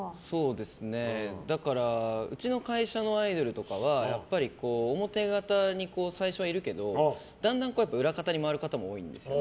うちの会社のアイドルとかは表方に最初はいるけどだんだん裏方に回る方も多いんですよ。